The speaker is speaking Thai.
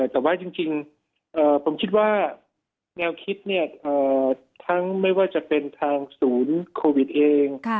แต่ว่าจริงผมคิดว่าแนวคิดทั้งไม่ว่าจะเป็นทางศูนย์โควิดเอง